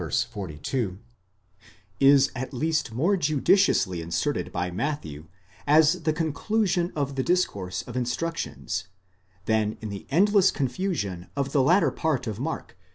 42), is at least more judiciously inserted by Matthew as the conclusion of the discourse of instruc tions, than in the endless confusion of the latter part of Mark ix.